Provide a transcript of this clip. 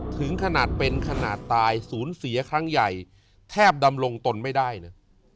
ถึงขนาดเป็นขนาดตายศูนย์เสียครั้งใหญ่แทบดำรงตนไม่ได้นะ